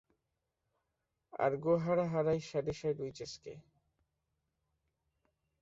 আর গো-হারা হারাই Shadyside witches কে।